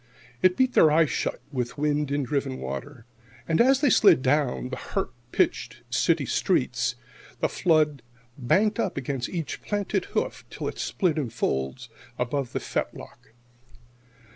It beat their eyes shut with wind and driven water, and, as they slid down the harp pitched city streets, the flood banked up against each planted hoof till it split in folds above the fetlock.